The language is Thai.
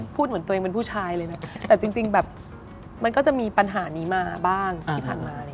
เหมือนตัวเองเป็นผู้ชายเลยนะแต่จริงแบบมันก็จะมีปัญหานี้มาบ้างที่ผ่านมา